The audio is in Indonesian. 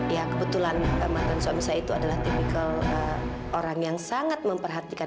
ya kebetulan mantan suami saya itu adalah tipikal orang yang sangat memperhatikan